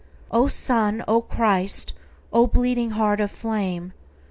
O Sun, O Christ, O bleeding Heart of flame!